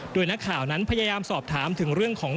โดยนักข่าวนั้นพยายามสอบถามถึงเรื่องของ